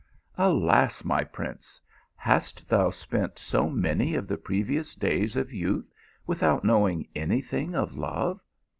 Alas, my prince ! hast thou spent so many of the precious days of youth without knowing any thing of love